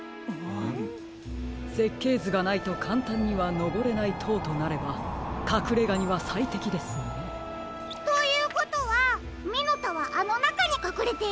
せっけいずがないとかんたんにはのぼれないとうとなればかくれがにはさいてきですね。ということはミノタはあのなかにかくれているんですか？